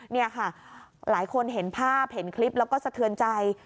นี่ค่ะหลายคนเห็นภาพเห็นคลิปแล้วก็สะเทือนใจ